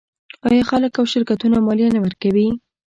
آیا خلک او شرکتونه مالیه نه ورکوي؟